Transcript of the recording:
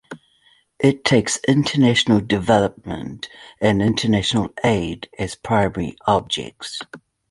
It takes international development and international aid as primary objects.